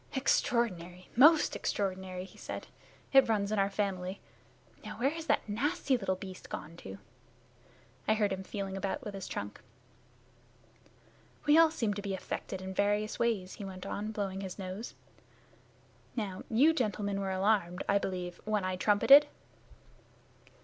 "Extraordinary! Most extraordinary!" he said. "It runs in our family. Now, where has that nasty little beast gone to?" I heard him feeling about with his trunk. "We all seem to be affected in various ways," he went on, blowing his nose. "Now, you gentlemen were alarmed, I believe, when I trumpeted."